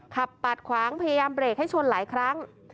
ขับปาดขวางพยายามเบรกให้ชนหลายครั้ง